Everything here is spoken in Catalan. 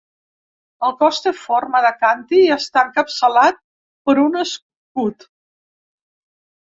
El cos té forma de càntir i està encapçalat per un escut.